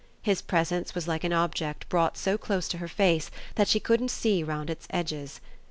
His presence was like an object brought so close to her face that she couldn't see round its edges.